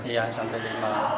iya sampai lima